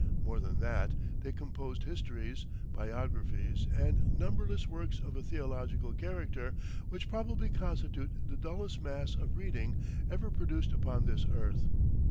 More than that, they composed histories, biographies and numberless works of a theological character, which probably constitute the dullest mass of reading ever produced upon this earth.